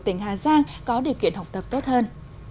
tỉnh hà giang có điều kiện học tập tốt hơn